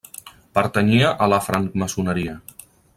Pertanyia a la francmaçoneria.